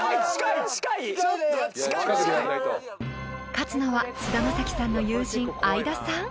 ［勝つのは菅田将暉さんの友人相田さん？］